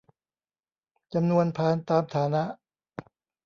จำนวนพานตามฐานะ